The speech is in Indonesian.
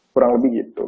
kurang lebih gitu